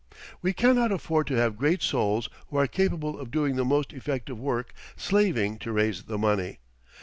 We cannot afford to have great souls who are capable of doing the most effective work slaving to raise the money.